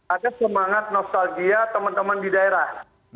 ada semangat nostalgia teman teman di daerah